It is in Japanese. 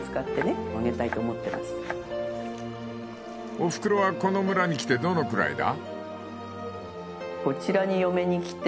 ［おふくろはこの村に来てどのくらいだ？］